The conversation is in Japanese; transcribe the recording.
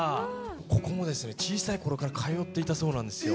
ここもですね小さい頃から通っていたそうなんですよ。